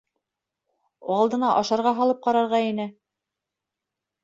Алдына ашарға һалып ҡарарға ине.